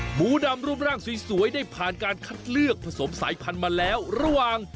หมูดำรูปร่างสวยได้ผ่านการคัดเลือกผสมสายพันธุ์มาแล้วระหว่าง